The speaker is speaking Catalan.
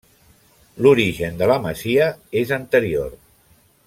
L'origen de la masia és anterior.